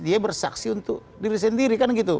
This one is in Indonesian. dia bersaksi untuk diri sendiri kan gitu